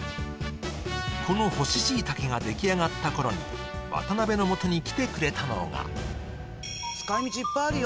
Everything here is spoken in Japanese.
この干しシイタケができあがった頃に渡辺のもとに来てくれたのが使い道いっぱいあるよ